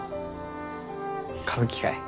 歌舞伎かえ？